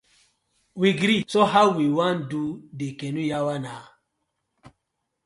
We gree, so how we wan do de canoe yawa naw?